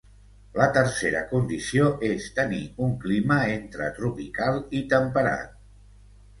La tercera condició és tenir un clima entre tropical i temperat.